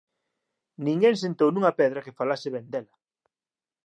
Ninguén sentou nunha pedra que falase ben dela